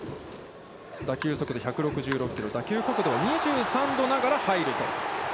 打球速度１６６キロ、打球角度は２３度なら入ると。